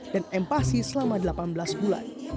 dan m pasi selama delapan belas bulan